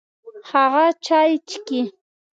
هغه چای چیکي.